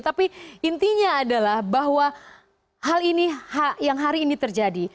tapi intinya adalah bahwa hal ini yang hari ini terjadi